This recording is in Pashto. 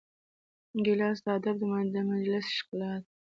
ګیلاس د ادب د مجلس ښکلا ده.